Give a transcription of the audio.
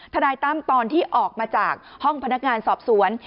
นายตั้มตอนที่ออกมาจากห้องพนักงานสอบสวน